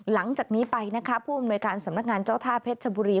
หลังจากนี้ไปนะคะผู้อำนวยการสำนักงานเจ้าท่าเพชรชบุรี